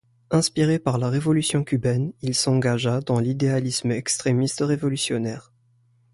Inspiré par la Révolution cubaine, il s’engagea dans l’idéalisme extrémiste révolutionnaire.